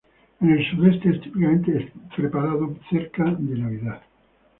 En el sudoeste es típicamente preparado cerca de Navidad.